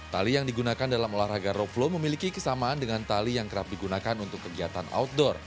tali yang digunakan dalam olahraga rope flow memiliki kesamaan dengan tali yang kerap digunakan untuk kegiatan outdoor